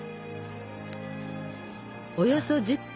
およそ１０分。